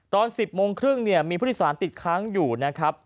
ตอนสิบโมงครึ่งเนี่ยมีพุทธศาสตร์ติดค้างอยู่นะครับ